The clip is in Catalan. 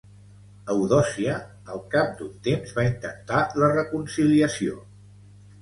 Eudòcia al cap d'un temps va intentar la reconciliació.